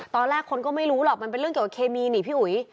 ตอนแรกคนก็ไม่รู้หรอกมันเป็นเรื่องเกี่ยวกับเคมีนี่พี่อุ๋ย